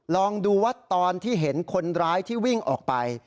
ลองดูว่าตอนที่เห็นคนร้ายที่วิ่งออกไป